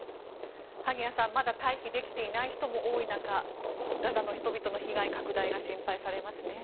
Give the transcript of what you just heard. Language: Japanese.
萩谷さんまだ退避できていない人も多い中ガザの人々の被害拡大が心配されますね。